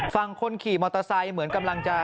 ฝั่งคนขี่มอเตอร์ไซค์เหมือนกำลังจะ